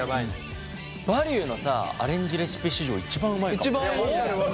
「バリュー」のさアレンジレシピ史上一番うまいかも。